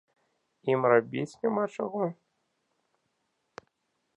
Ім рабіць няма чаго?